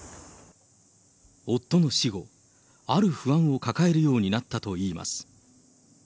夫の死後、ある不安を抱えるようになったといいます。